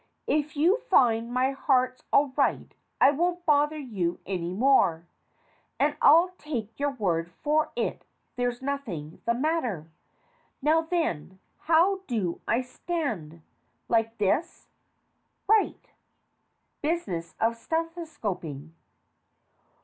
If you find my heart's all right, I won't bother you any more, and I'll take your word for it there's nothing the matter. Now then, how do I stand? Like this? Right. (Business of stethoscoping.)